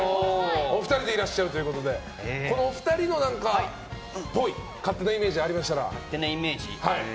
お二人でいらっしゃるということでこのお二人のっぽい勝手なイメージがありましたら。